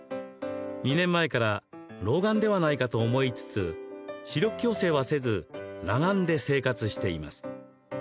２年前から老眼ではないかと思いつつ視力矯正はせず裸眼で生活しています。